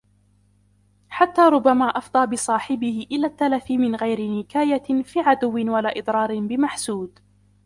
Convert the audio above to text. حَتَّى رُبَّمَا أَفْضَى بِصَاحِبِهِ إلَى التَّلَفِ مِنْ غَيْرِ نِكَايَةٍ فِي عَدُوٍّ وَلَا إضْرَارٍ بِمَحْسُودِ